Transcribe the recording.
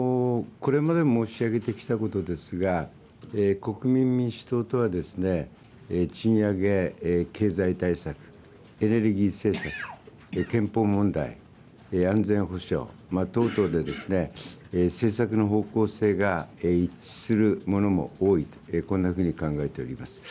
これまで申し上げてきたことですが、国民民主党とはですね、賃上げ、経済対策、エネルギー政策、憲法問題、安全保障等々で政策の方向性が一致するものも多いと、こんなふうに考えております。